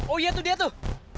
oh iya tuh dia tuh